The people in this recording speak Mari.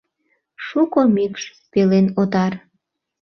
«Шуко мӱкш — пелен отар.